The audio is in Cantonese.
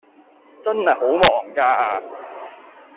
真係好忙架